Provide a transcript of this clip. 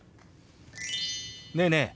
ねえねえ